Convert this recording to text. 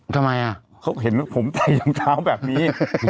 ทำไมอ่ะเขาเห็นว่าผมใส่ถุงเท้าแบบนี้